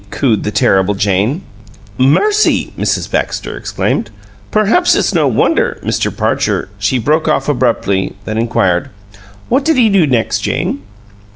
cooed the terrible Jane. "Mercy!" Mrs. Baxter exclaimed. "Perhaps it's no wonder Mr. Parcher " She broke off abruptly, then inquired, "What did he do next, Jane?"